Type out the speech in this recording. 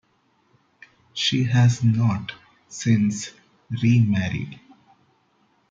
She has not since remarried.